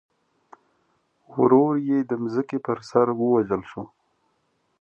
ورور یې د ځمکې پر سر ووژل شو.